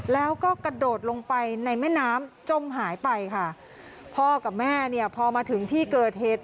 แล้วก็กระโดดลงไปในแม่น้ำจมหายไปค่ะพ่อกับแม่เนี่ยพอมาถึงที่เกิดเหตุ